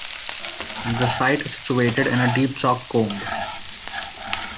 The site is situated in a deep chalk combe.